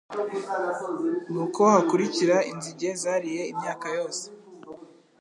nuko hakurikira inzige zariye imyaka yose